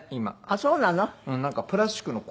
あっそうなの？